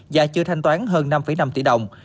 và chưa thanh toán hơn năm năm tỷ đồng